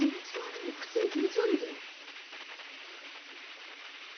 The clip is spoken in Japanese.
いや普通に気持ち悪いけど。